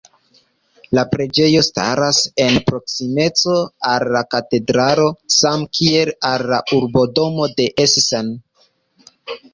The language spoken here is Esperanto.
La preĝejo staras en proksimeco al la katedralo samkiel al la urbodomo de Essen.